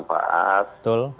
apakah apakah misalnya